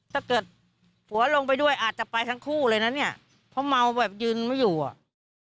ถ้าเกิดผัวลงไปด้วยอาจจะไปทั้งคู่เลยนะเนี่ยเพราะเมาแบบยืนไม่อยู่อ่ะ